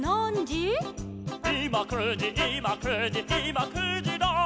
「いま９じいま９じいま９じら」